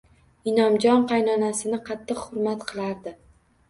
Inomjon qaynonasini qattiq hurmat qilardi